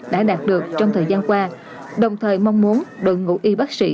đã đạt được trong thời gian qua đồng thời mong muốn đội ngũ y bác sĩ